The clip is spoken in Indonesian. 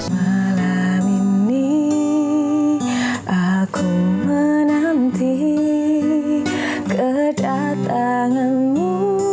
malam ini aku menanti kedatanganmu